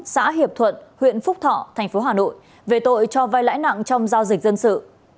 xã hiệp thuận huyện phúc thọ thành phố hà nội về tội cho vai lãi nặng trong giao dịch dân sự